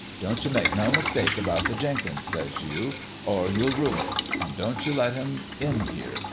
Don't you make no mistake about the Jenkins," says you, " or you'll rue it. An' don't you let him in here.